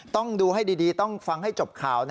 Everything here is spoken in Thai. ต้องดูให้ดีต้องฟังให้จบข่าว